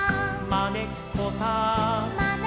「まねっこさん」